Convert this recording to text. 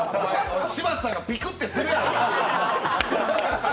柴田さんがビクッてするやろ。